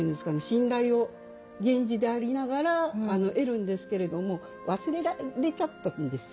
信頼を源氏でありながら得るんですけれども忘れられちゃったんですよ